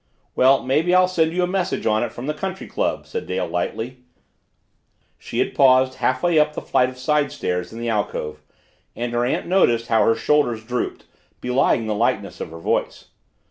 "Well, maybe I'll send you a message on it from the country club," said Dale lightly. She had paused, half way up the flight of side stairs in the alcove, and her aunt noticed how her shoulders drooped, belying the lightness of her voice.